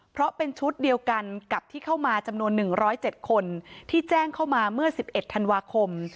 เพราะเป็นชุดเดียวกันกับที่เข้ามาจำนวน๑๐๗คนที่แจ้งเข้ามาเมื่อ๑๑ธันวาคม